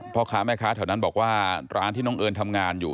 พ่อค้าแม่ค้าแถวนั้นบอกว่าร้านที่น้องเอิญทำงานอยู่